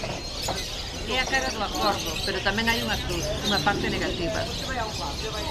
É a cara do acordo, pero tamén hai unha cruz: unha parte negativa.